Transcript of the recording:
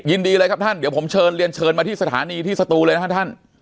ยินดีเลยครับท่านเดี๋ยวผมเชิญเรียนเชิญมาที่สถานีที่สตูเลยนะครับท่าน